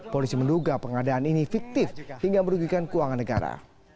polisi menduga pengadaan ini fiktif hingga merugikan keuangan negara